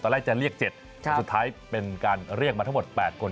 แรกจะเรียก๗สุดท้ายเป็นการเรียกมาทั้งหมด๘คน